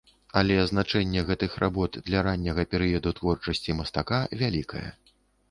Але значэнне гэтых работ для ранняга перыяду творчасці мастака вялікае.